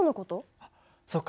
あっそうか。